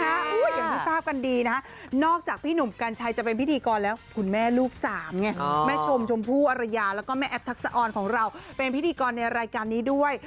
อย่างที่ทราบกันดีนะฮะนอกจากพี่หนุ่มกัญชัยจะเป็นพิธีกรแล้วคุณแม่ลูกสามไงแม่ชมชมพู่อรยาแล้วก็แม่แอฟทักษะออนของเราเป็นพิธีกรในรายการนี้ด้วย